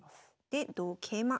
で同桂馬。